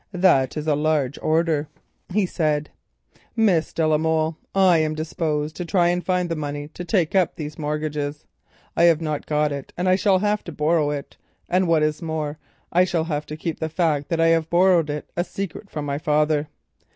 "That is a large order," he said. "Miss de la Molle, I am disposed to try and find the money to take up these mortgages. I have not got it, and I shall have to borrow it, and what is more, I shall have to keep the fact that I have borrowed it a secret from my father."